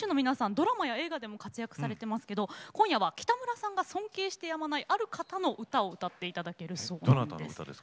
ドラマや映画でも活躍されてますけど今夜は北村さんが尊敬してやまないある方の歌を歌っていただけるそうなんです。